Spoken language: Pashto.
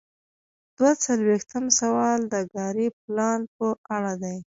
دوه څلویښتم سوال د کاري پلان په اړه دی.